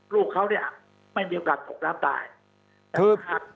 ลูกเขาไม่มีประกันลบล้านตาย